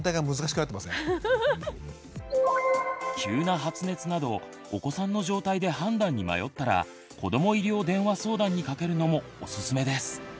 急な発熱などお子さんの状態で判断に迷ったら子ども医療電話相談にかけるのもおすすめです。